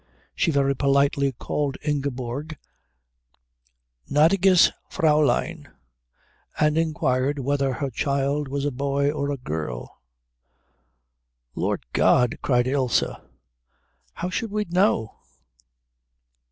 She very politely called Ingeborg gnädiges Fräulein and inquired whether her child was a boy or a girl. "Lord God!" cried Ilse, "how should we know?"